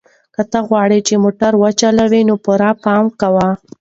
که ته غواړې چې موټر وچلوې نو پوره پام کوه.